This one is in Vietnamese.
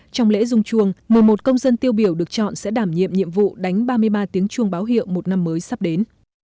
trong lễ rung chuồng một mươi một công dân tiêu biểu được chọn sẽ đảm nhiệm nhiệm vụ đánh ba mươi ba tiếng chuông báo hiệu một năm mới sắp đến